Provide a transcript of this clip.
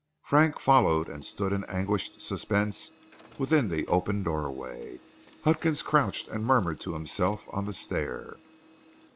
Frank followed and stood in anguished suspense within the open doorway. Huckins crouched and murmured to himself on the stair.